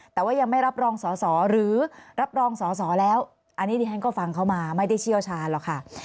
แต่ว่ายังไม่รับรองสอสอหรือรับรองสอสอแล้วอันนี้ดิฉันก็ฟังเขามาไม่ได้เชี่ยวชาญหรอกค่ะ